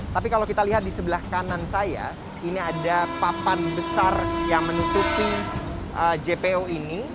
tapi kalau kita lihat di sebelah kanan saya ini ada papan besar yang menutupi jpo ini